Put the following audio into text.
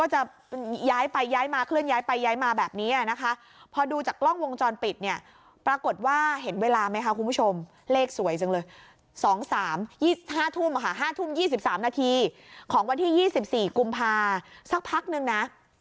ห้าทุ่ม๒๓นาทีของวันที่๒๔กุมภาสักพักนึงนะ